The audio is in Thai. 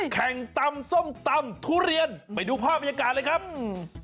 แข่งตำส้มตำทุเรียนไปดูภาพยากาศเลยครับ